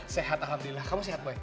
sehat alhamdulillah kamu sehat baik